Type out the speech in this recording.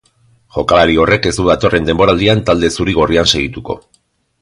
Jokalari horrek ez du datorren denboraldian talde zuri-gorrian segituko.